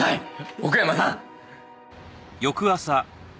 奥山さん！